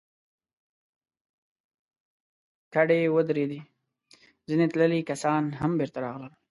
کډې ودرېدې، ځينې تللي کسان هم بېرته راغلل.